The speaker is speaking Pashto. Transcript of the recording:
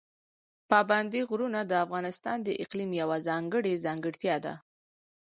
پابندي غرونه د افغانستان د اقلیم یوه ځانګړې ځانګړتیا ده.